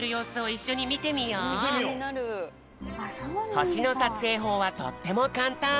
ほしのさつえいほうはとってもかんたん。